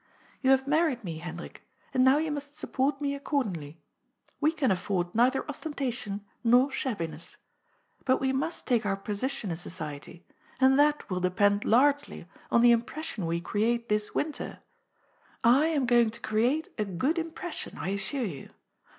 " You have married me, Hen drik, and now you must support me accordingly. We can afford neither ostentation nor shabbiness. But we must take our position in society, and that will depend largely on the impression we create this winter. I am going to create a good impression, I assure you.